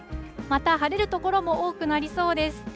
また晴れる所も多くなりそうです。